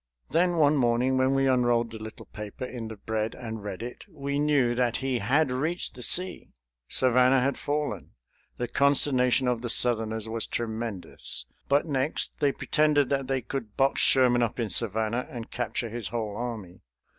Then one morning, when we unrolled the little paper in the bread and read it, we knew that he had reached the sea. Savannah had fallen. The consternation of the Southerners was tremendous. But, next, they pretended that they could box Sherman up in Savannah and capture his whole army.